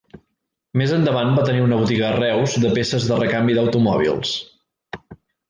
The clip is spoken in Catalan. Més endavant va tenir una botiga a Reus de peces de recanvi d'automòbils.